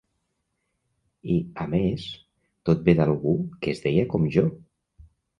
I, a més, tot ve d'algú que es deia com jo!